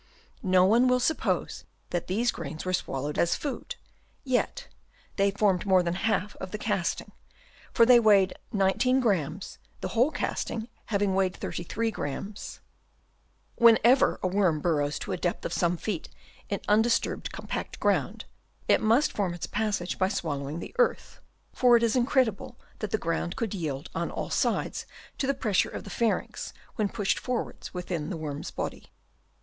No one will suppose that these grains were swallowed as food, yet they formed more than half of the casting, for they weighed 19 grains, the whole cast ing having weighed 33 grains. Whenever a worm burrows to a depth of some feet in undisturbed compact ground, it must form its 104 HABITS OF WOKMS. Chap. II. passage by swallowing the earth ; for it is incredible that the ground could yield on all sides to the pressure of the pharynx when pushed forwards within the worm's body.